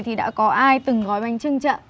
thì đã có ai từng gói bánh trưng chưa